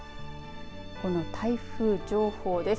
この台風情報です。